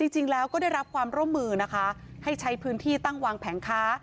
จริงแล้วก็ได้รับความร่วมมือนะคะให้ใช้พื้นที่ตั้งวางแผงค้า